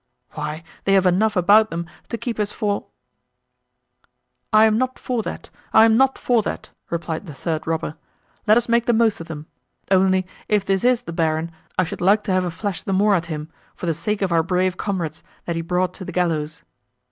Why they have enough about them to keep us for—" "I am not for that, I am not for that," replied the third robber, "let us make the most of them: only, if this is the Baron, I should like to have a flash the more at him, for the sake of our brave comrades, that he brought to the gallows."